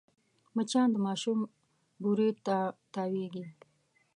مچان د ماشوم بوري ته تاوېږي